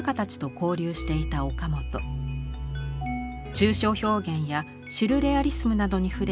抽象表現やシュルレアリスムなどに触れ